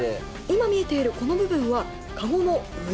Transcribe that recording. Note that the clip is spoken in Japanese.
今見えているこの部分はカゴの上。